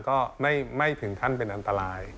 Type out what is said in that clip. ก็ไม่ถึงขั้นเป็นอันตราย